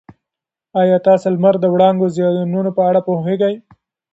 ایا تاسي د لمر د وړانګو د زیانونو په اړه پوهېږئ؟